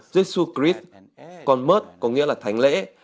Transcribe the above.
giê xu cris còn mert có nghĩa là thánh lễ